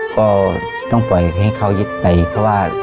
ก็ต้องปล่อยให้เขายึดไปเพราะว่า